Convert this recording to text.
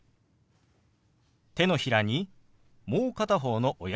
手のひらにもう片方の親指を当てます。